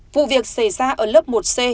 vụ việc xảy ra ở lớp một c